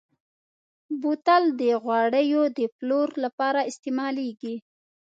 بوتل د غوړیو د پلور لپاره استعمالېږي.